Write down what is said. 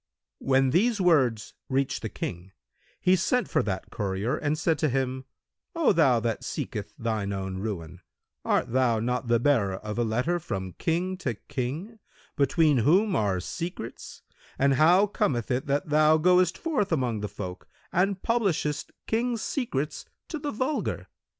When these words reached the King, he sent for that courier and said to him, "O thou that seeketh thine own ruin, art thou not the bearer of a letter from King to King, between whom are secrets, and how cometh it that thou goest forth among the folk and publishest Kings' secrets to the vulgar?